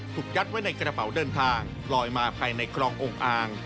ยัดไว้ในกระเป๋าเดินทางลอยมาภายในคลององค์อ่าง